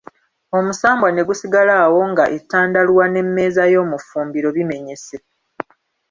Omusambwa ne gusigala awo nga ettandaluwa n'emmeeza y'omu ffumbiro bimenyese.